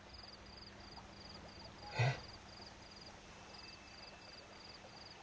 えっ？